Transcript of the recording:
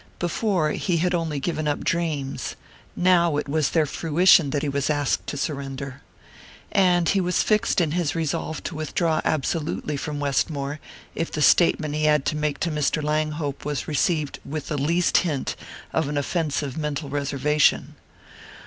Before, he had only given up dreams; now it was their fruition that he was asked to surrender. And he was fixed in his resolve to withdraw absolutely from Westmore if the statement he had to make to Mr. Langhope was received with the least hint of an offensive mental reservation.